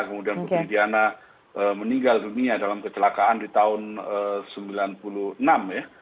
kemudian putri diana meninggal dunia dalam kecelakaan di tahun sembilan puluh enam ya